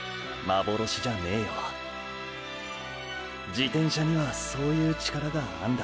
自転車にはそういう力があんだ。